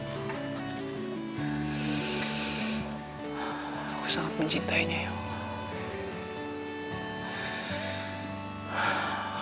aku sangat mencintainya ya allah